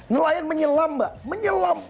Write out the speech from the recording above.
nelayan menyelam mbak menyelam